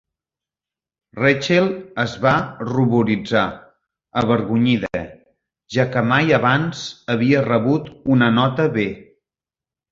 Rachel es va ruboritzar, avergonyida, ja que mai abans havia rebut una nota B.